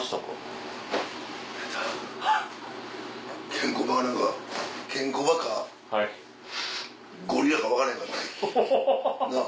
ケンコバが何かケンコバかゴリラか分からへんかったなぁ。